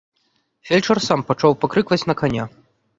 Фельчар сам пачаў пакрыкваць на каня.